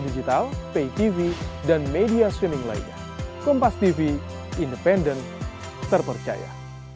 digital pay tv dan media swimming lainnya kompas tv independen terpercaya